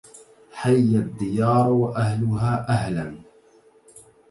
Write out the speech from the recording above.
حي الديار وأهلها أهلا